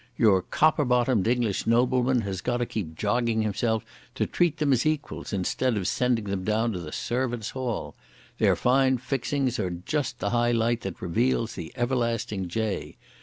Your copper bottomed English nobleman has got to keep jogging himself to treat them as equals instead of sending them down to the servants' hall. Their fine fixings are just the high light that reveals the everlasting jay.